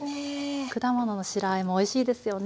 果物の白あえもおいしいですよね。